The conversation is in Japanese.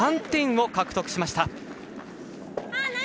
３点を獲得しました！